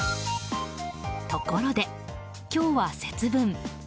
ところで、今日は節分。